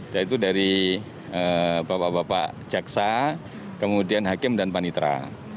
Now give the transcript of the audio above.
yaitu dari bapak bapak jaksa kemudian hakim dan panitra